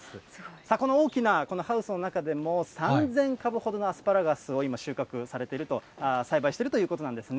さあ、この大きなこのハウスの中でも、３０００株ほどのアスパラガスを今、栽培しているということなんですね。